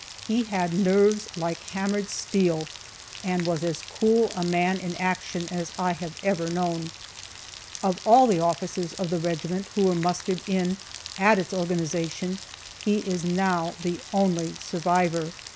He had nerves like hammered steel, and was as cool a man in action as I ever have known. Of all the officers of the regiment who were mustered in at its organization, he is now the only survivor.